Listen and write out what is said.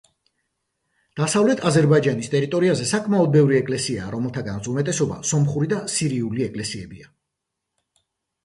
დასავლეთ აზერბაიჯანის ტერიტორიაზე საკმაოდ ბევრი ეკლესიაა, რომელთაგანაც უმეტესობა სომხური და სირიული ეკლესიებია.